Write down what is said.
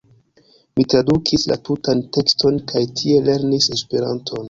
Mi tradukis la tutan tekston kaj tiel lernis Esperanton.